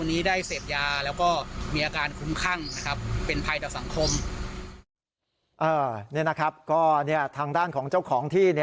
นี่นะครับก็ทางด้านของเจ้าของที่